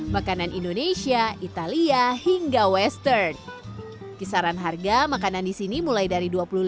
makanan indonesia italia hingga western kisaran harga makanan disini mulai dari